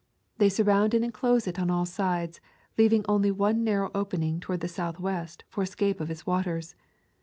They surround and enclose it on all sides, leaving only one narrow opening toward the southwest for the escape of its waters.